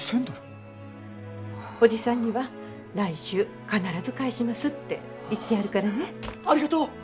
おじさんには来週必ず返しますって言ってあるからね。